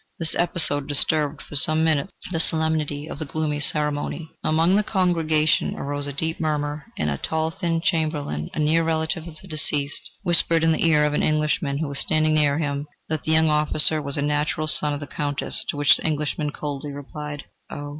This episode disturbed for some minutes the solemnity of the gloomy ceremony. Among the congregation arose a deep murmur, and a tall thin chamberlain, a near relative of the deceased, whispered in the ear of an Englishman who was standing near him, that the young officer was a natural son of the Countess, to which the Englishman coldly replied: "Oh!"